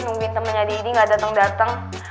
nungguin temennya didi gak dateng dateng